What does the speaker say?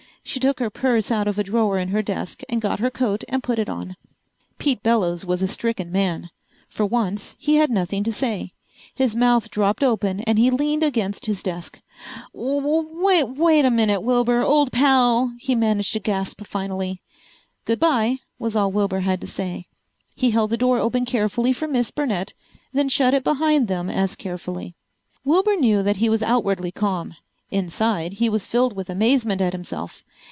She took her purse out of a drawer in her desk and got her coat and put it on. Pete Bellows was a stricken man. For once he had nothing to say. His mouth dropped open and he leaned against his desk. "W wait a minute, Wilbur, old pal," he managed to gasp finally. "Goodbye," was all Wilbur had to say. He held the door open carefully for Miss Burnett, then shut it behind them as carefully. Wilbur knew that he was outwardly calm. Inside, he was filled with amazement at himself.